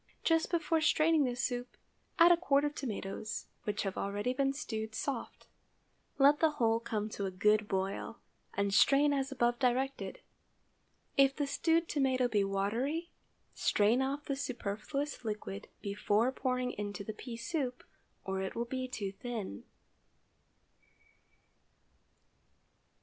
Just before straining the soup, add a quart of tomatoes, which have already been stewed soft; let the whole come to a good boil, and strain as above directed. If the stewed tomato be watery, strain off the superfluous liquid before pouring into the pea soup, or it will be too thin.